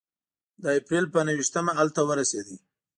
د اپرېل په نهه ویشتمه هلته ورسېد.